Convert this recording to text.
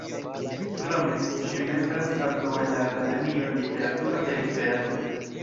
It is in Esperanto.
Krome, ŝi membras ankaŭ en la Akademio Literatura de Esperanto.